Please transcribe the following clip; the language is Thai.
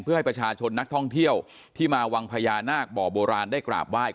เพื่อให้ประชาชนนักท่องเที่ยวที่มาวังพญานาคบ่อโบราณได้กราบไหว้